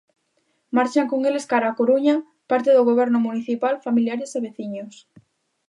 Marchan con eles cara á Coruña parte do Goberno municipal, familiares e veciños.